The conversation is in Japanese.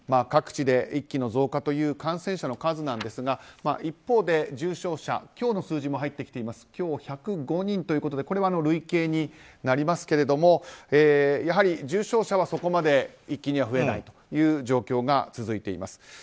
各地で一気に増加という感染者の数なんですが一方で、重症者今日１０５人ということでこれは累計になりますけれどもやはり重症者はそこまで一気には増えないという状況が続いています。